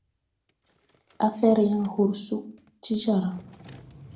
Á fɛr yaŋ hor sug ti jar.